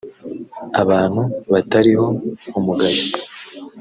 abantu batariho umugayo